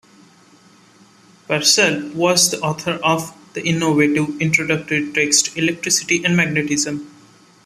Purcell was the author of the innovative introductory text "Electricity and Magnetism".